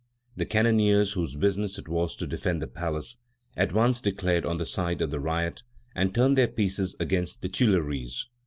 The cannoneers, whose business it was to defend the palace, at once declared on the side of the riot and turned their pieces against the Tuileries.